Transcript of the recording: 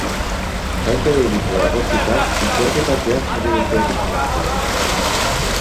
Kalte delitua egotzita ikerketapean jarri dute gizonezkoa.